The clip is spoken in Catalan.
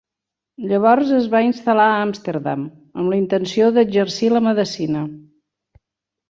Llavors es va instal·lar a Àmsterdam, amb la intenció d'exercir la medicina.